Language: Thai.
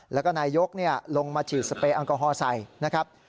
แล้วก็นายกลงมาฉีดสเปรยแอลกอฮอล์ใส่นะครับ